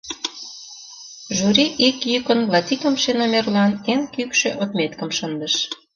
Жюри ик йӱкын латикымше номерлан эн кӱкшӧ отметкым шындыш.